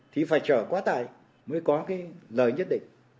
thì phải chờ quá tải mới có cái lời nhất định